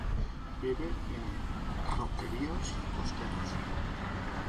Vive en roqueríos costeros.